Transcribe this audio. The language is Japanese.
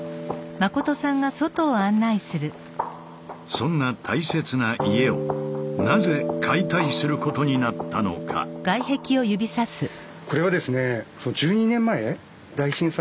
そんな大切な家をなぜ解体することになったのか？はなるほど。